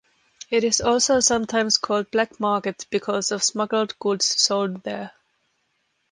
It is also sometimes called black market because of smuggled goods sold there.